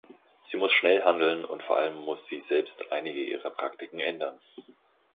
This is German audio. Sie muss schnell handeln und vor allem muss sie selbst einige ihrer Praktiken ändern.